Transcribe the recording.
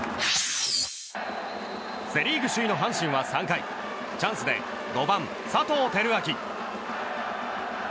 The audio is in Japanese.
セ・リーグ首位の阪神は３回チャンスで５番、佐藤輝明。